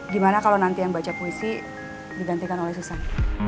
gimana kalau nanti yang baca puisi digantikan oleh susan